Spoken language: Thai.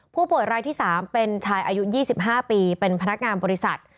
ผู้ป่วยรายที่๓เป็นชายอายุ๒๕ปีเป็นพนักงานบริษัท